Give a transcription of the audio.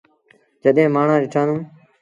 جڏهيݩ مآڻهآݩ ڏٽآݩدون۔